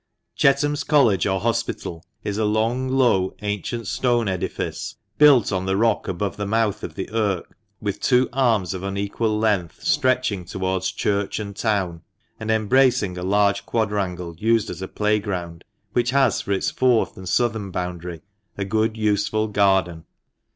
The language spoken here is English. " Chetham's College, or Hospital, is a long, low, ancient stone edifice, built on the rock above the mouth of the Irk, with two arms of unequal length, stretching towards church and town, and embracing a large quadrangle used as a playground, which has for its fourth and southern boundary a good useful garden.